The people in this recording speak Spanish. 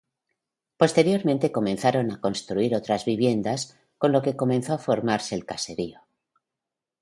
Posteriormente comenzaron a construir otras viviendas con lo que comenzó a formarse el caserío.